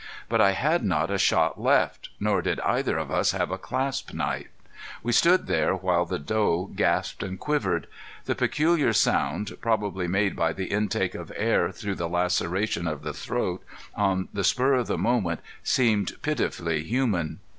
But I had not a shot left, nor did either of us have a clasp knife. We stood there while the doe gasped and quivered. The peculiar sound, probably made by the intake of air through the laceration of the throat, on the spur of the moment seemed pitifully human.